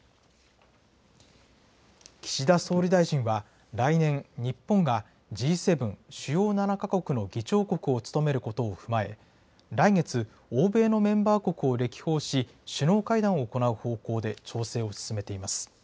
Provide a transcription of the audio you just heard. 岸田総理大臣は、来年、日本がＧ７・主要７か国の議長国を務めることを踏まえ、来月、欧米のメンバー国を歴訪し、首脳会談を行う方向で調整を進めています。